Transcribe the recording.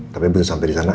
tapi belum sampai di sana